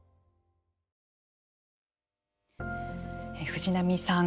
藤波さん